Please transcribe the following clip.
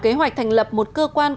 kế hoạch thành lập một cơ quan